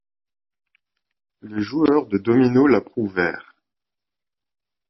Les joueurs de dominos l'approuvèrent.